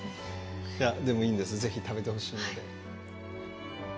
でもいいんです、ぜひ食べてほしい。